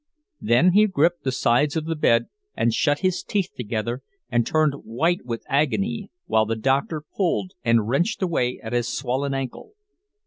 Then he gripped the sides of the bed, and shut his teeth together, and turned white with agony, while the doctor pulled and wrenched away at his swollen ankle.